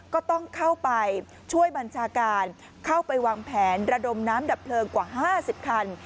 ก็ต้องเข้าไปช่วยบัญชาการเข้าไปวางแผนระดมน้ำดับเพลิงกว่า๕๐คัน